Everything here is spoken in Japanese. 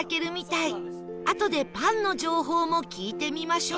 あとでパンの情報も聞いてみましょう